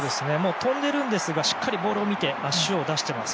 飛んでるんですがしっかりボールを見て足を出しています。